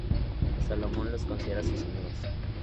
Salomón los considera sus amigos.